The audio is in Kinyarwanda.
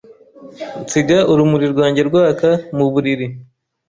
nsiga urumuri rwanjye rwaka muburiri